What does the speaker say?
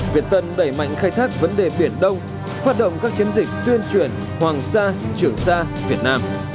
việt tân đẩy mạnh khai thác vấn đề biển đông phát động các chiến dịch tuyên truyền hoàng sa trường sa việt nam